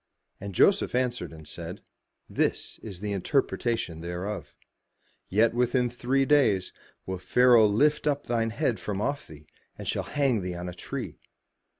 And Joseph answered and said, "This is the interpretation thereof: Yet within three days will Pharaoh lift up thine head from off thee, and shall hang thee on a tree."